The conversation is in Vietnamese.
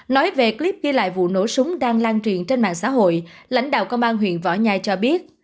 nói về clip ghi lại vụ nổ súng đang lan truyền trên mạng xã hội lãnh đạo công an huyện võ nhai cho biết